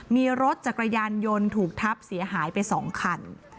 มีรถจักรยานยนต์ถูกทับเสียหายไป๒คัน